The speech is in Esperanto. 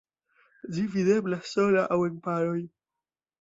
Ĝi videblas sola aŭ en paroj.